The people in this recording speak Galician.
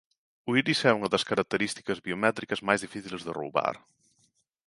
O iris é unha das características biométricas máis difíciles de roubar.